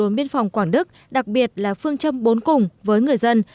đồn biên phòng quảng đức đặc biệt là phương châm bốn cùng với người dân